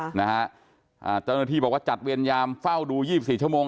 เจ้าหน้าที่บอกว่าจัดเวรยามเฝ้าดู๒๔ชั่วโมง